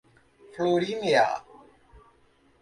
Florínea